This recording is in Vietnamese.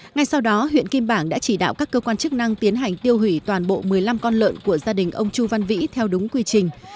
ngay sau đó huyện kim bảng đã chỉ đạo các cơ quan chức năng tiến hành tiêu hủy toàn bộ một mươi năm con lợn của gia đình ông chu văn vĩ theo đúng quy trình